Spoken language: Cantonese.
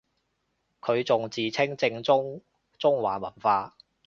佢仲自稱正宗中華文化